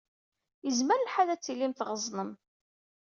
Yezmer lḥal ad tilim tɣeẓnem.